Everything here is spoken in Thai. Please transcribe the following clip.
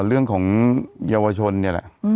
เรื่องของเยาวชนเนี่ยแหละ